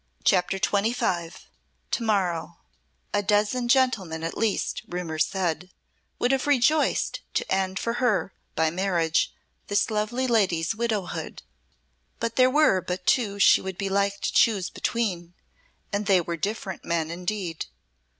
CHAPTER XXV To morrow A dozen gentlemen at least, rumour said, would have rejoiced to end for her, by marriage, this lovely lady's widowhood; but there were but two she would be like to choose between, and they were different men indeed.